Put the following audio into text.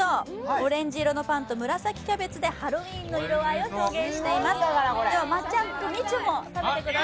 オレンジ色のパンと紫きゃべつでハロウィーンの色合いを表現しています。